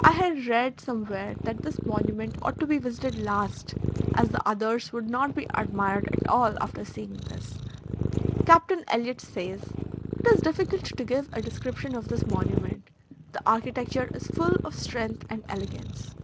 I had read somewhere that this monument ought to be visited last, as the others would not be admired at all after seeing this. Captain Elliot says: "It is difficult to give a description of this monument; the architecture is full of strength and elegance."